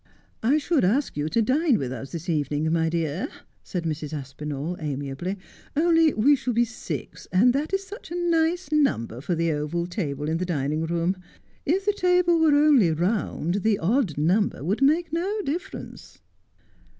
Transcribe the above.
' I should ask you to dine with us this evening, my dear,' said Mrs. Aspinali amiably, ' only we shall be six, and that is such a nice number for the oval table in the dining room. If the table were only round the odd number would make no difference.'